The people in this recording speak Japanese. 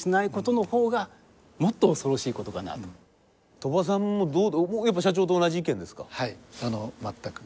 鳥羽さんもやっぱ社長と同じ意見ですか？